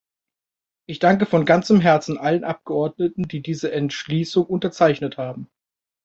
Ich danke von ganzem Herzen allen Abgeordneten, die diese Entschließung unterzeichnet haben.